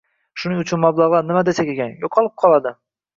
Shuning uchun mablag‘lar... nima desak ekan... yo‘qolib qoladi.